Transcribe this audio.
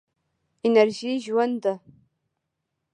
انرژي ژوند ده.